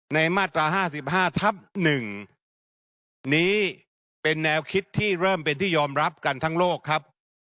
มาตรา๕๕ทับ๑นี้เป็นแนวคิดที่เริ่มเป็นที่ยอมรับกันทั้งโลกครับ